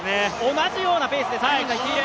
同じようなペースで３人がいっていますね。